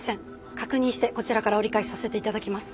確認してこちらから折り返しさせて頂きます。